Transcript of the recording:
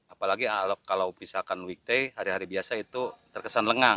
apalagi kalau pisahkan weekday hari hari biasa itu terkesan lengang